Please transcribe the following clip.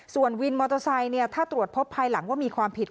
ส่วนวินมอเตอร์ไซค์ถ้าตรวจพบภายหลังว่ามีความผิด